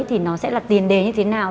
thì nó sẽ là tiền đề như thế nào